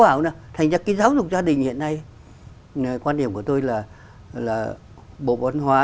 bảo nè thành ra cái giáo dục gia đình hiện nay nên quan điểm của tôi là là bộ bán thông tin các